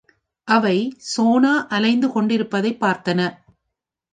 அவை சோனா அலைந்து கொண்டிருப்பதைப் பார்த்தன.